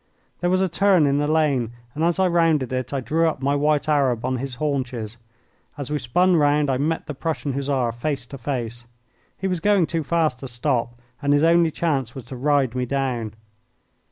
There was a turn in the lane, and as I rounded it I drew up my white Arab on his haunches. As we spun round I met the Prussian Hussar face to face. He was going too fast to stop, and his only chance was to ride me down.